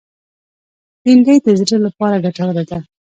بېنډۍ د زړه لپاره ګټوره ده